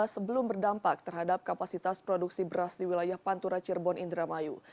sebelum berdampak terhadap kapasitas produksi beras di wilayah pantura cirebon indramayu